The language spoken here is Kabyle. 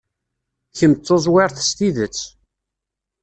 Kemm d tuẓwirt s tidet.